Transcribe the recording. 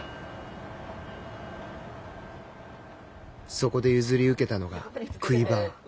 そこで譲り受けたのがクイバー。